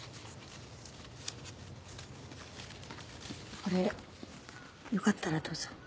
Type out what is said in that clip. これよかったらどうぞ。